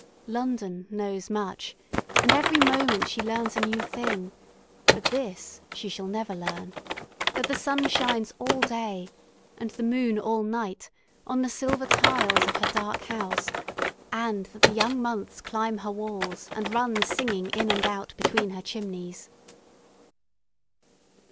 London knows much, and every moment she learns a new thing, but this she shall never learn that the sun shines all day and the moon all night on the silver tiles of her dark house, and that the young months climb her walls, and run singing in and out between her chimneys....